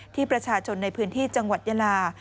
ที่ประชาชนในพื้นที่จังหวัดยาลา